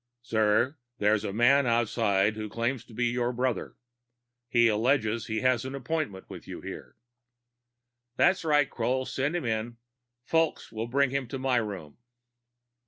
"Sir, there is a man outside who claims to be your brother. He alleges he has an appointment with you here." "That's right, Kroll; send him in. Fulks will bring him to my room."